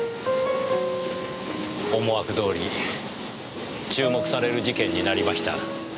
思惑どおり注目される事件になりました。